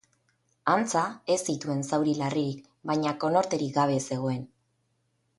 Antza, ez zituen zauri larririk, baina konorterik gabe zegoen.